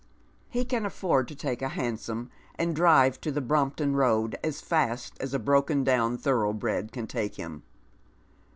He can aflEord to take a hansom, and drive to the Brompton Road as fast as a broken down thorough bred can take him.